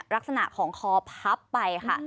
ลักษณะของคอพับไปค่ะ